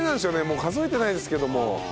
もう数えてないですけども。